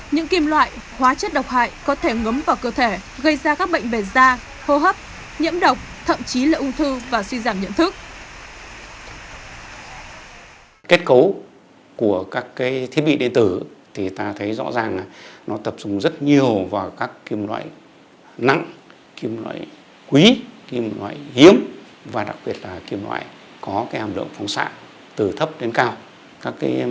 những kim loại hóa chất độc hại có thể ngấm vào cơ thể gây ra các bệnh về da hô hấp nhiễm độc thậm chí là ung thư và suy giảm nhận thức